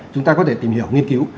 chúng ta có thể tìm hiểu nghiên cứu